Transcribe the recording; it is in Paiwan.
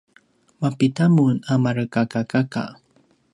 mapida mun a marekakakaka?